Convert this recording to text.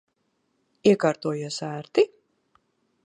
Iekārtojies ērti?